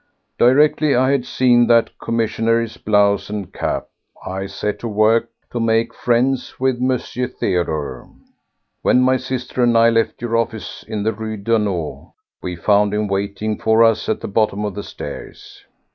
Directly I had seen that commissionnaire's blouse and cap, I set to work to make friends with M. Theodore. When my sister and I left your office in the Rue Daunou, we found him waiting for us at the bottom of the stairs.